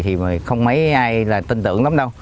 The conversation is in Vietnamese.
thì không mấy ai là tin tưởng lắm đâu